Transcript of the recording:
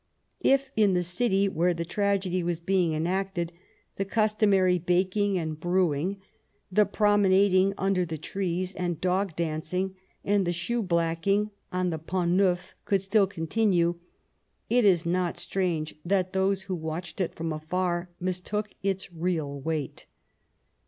If, in the city where the tragedy was being enacted, the custom ary baking and brewing, the promenading under the trees, and dog dancing and the shoe blacking on the Pont'Neuf could still continue, it is not strange that those who watched it from afar mistook its real weight.